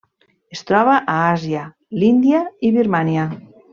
Es troba a Àsia: l'Índia i Birmània.